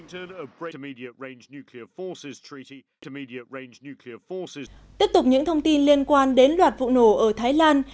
tiếp tục những thông tin liên quan đến loạt vụ nổ ở thái lan